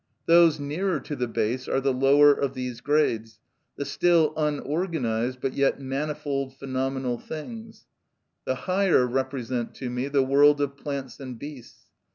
Those nearer to the bass are the lower of these grades, the still unorganised, but yet manifold phenomenal things; the higher represent to me the world of plants and beasts.